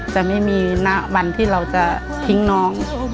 จะไม่มีณวันที่เราจะทิ้งน้อง